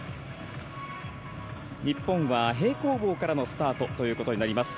日本は平行棒からのスタートということになります。